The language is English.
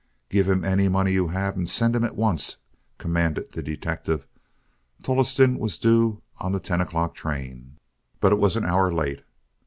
"Give him any money you have and send him at once," commanded the detective. "Tolleston was due on the ten o'clock train, but it was an hour late.